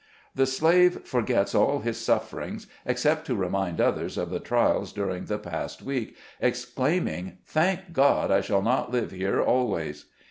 The slave forgets all his sufferings, except to remind others of the trials during the past week, exclaiming: "Thank God, I shall not live here always